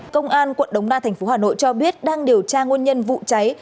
công an quận đống đa thành phố hà nội cho biết đang điều tra nguyên nhân vụ cháy